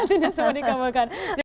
tidak semuanya dikabulkan